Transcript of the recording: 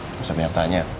nggak usah banyak tanya